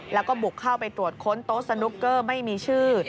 แล้วก็บุกเข้าไปตรวจค้นโต๊ะสนุกเกอร์ไม่มีชื่อ